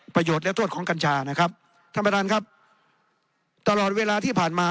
ประโยชน์และโทษของกัญชานะครับท่านประธานครับตลอดเวลาที่ผ่านมา